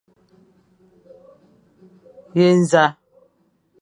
We nẑa ?